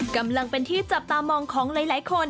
กำลังเป็นที่จับตามองของหลายคน